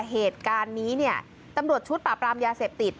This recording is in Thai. เหตุการณ์นี้เนี่ยตำรวจชุดปราบรามยาเสพติด